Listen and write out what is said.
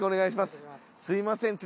すいません。